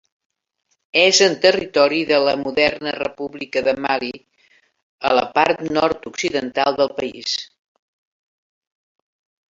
És en territori de la moderna república de Mali, a la part nord-occidental del país.